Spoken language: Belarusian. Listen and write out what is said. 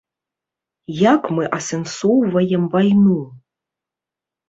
Як мы асэнсоўваем вайну?